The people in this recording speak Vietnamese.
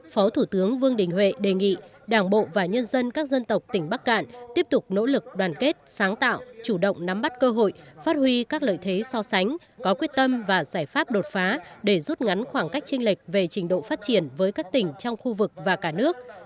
phó thủ tướng vương đình huệ đề nghị đảng bộ và nhân dân các dân tộc tỉnh bắc cạn tiếp tục nỗ lực đoàn kết sáng tạo chủ động nắm bắt cơ hội phát huy các lợi thế so sánh có quyết tâm và giải pháp đột phá để rút ngắn khoảng cách trinh lệch về trình độ phát triển với các tỉnh trong khu vực và cả nước